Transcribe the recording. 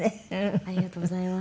ありがとうございます。